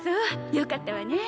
よかったわね。